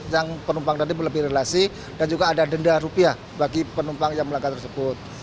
yang penumpang tadi melebihi relasi dan juga ada denda rupiah bagi penumpang yang melanggar tersebut